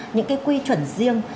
những cái quy chuẩn riêng